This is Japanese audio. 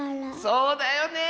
そうだよねえ！